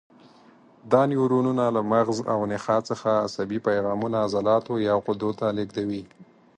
دا نیورونونه له مغز او نخاع څخه عصبي پیغامونه عضلاتو یا غدو ته لېږدوي.